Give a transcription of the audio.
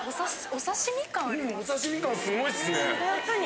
お刺身感すごいっすね！